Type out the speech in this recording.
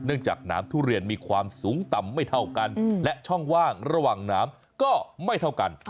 จากน้ำทุเรียนมีความสูงต่ำไม่เท่ากันและช่องว่างระหว่างน้ำก็ไม่เท่ากัน